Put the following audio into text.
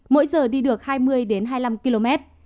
mỗi giờ đi được hai mươi hai mươi năm km